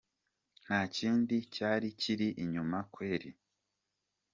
Nta kindi cyari kiri inyuma kweli.